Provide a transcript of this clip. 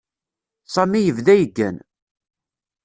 Sami yebda yeggan.